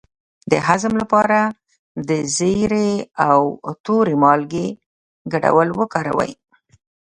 د هضم لپاره د زیرې او تورې مالګې ګډول وکاروئ